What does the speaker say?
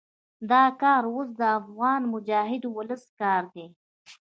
دا کار اوس د افغان مجاهد ولس کار دی.